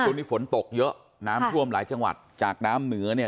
ช่วงนี้ฝนตกเยอะน้ำท่วมหลายจังหวัดจากน้ำเหนือเนี่ย